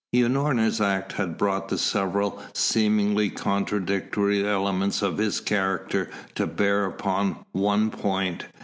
Unorna's act had brought the several seemingly contradictory elements of his character to bear upon one point.